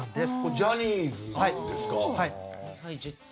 ジャニーズですか。